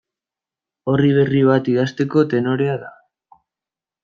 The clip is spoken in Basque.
Orri berri bat idazteko tenorea da.